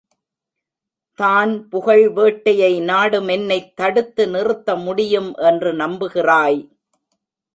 தான் புகழ் வேட்டையை நாடும் என்னை தடுத்து நிறுத்த முடியும் என்று நம்புகிறாய்!